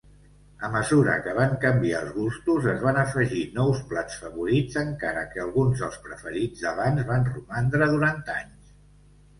A mesura que van canviar els gustos, es van afegir nous plats favorits, encara que alguns dels preferits d'abans van romandre durant anys.